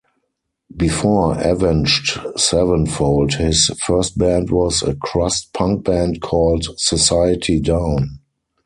Before Avenged Sevenfold, his first band was a crust punk band called Society Down.